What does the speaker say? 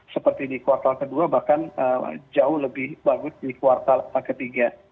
seperti di kuartal kedua bahkan jauh lebih bagus di kuartal ketiga